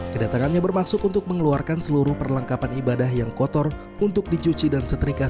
kedatangannya bermaksud untuk mengeluarkan seluruh perlengkapan ibadah yang kotor untuk dicuci dan setrika